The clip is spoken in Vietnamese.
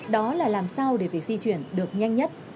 đó là làm sao để việc di chuyển được nhanh nhất